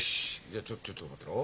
じゃあちょっと待ってろ。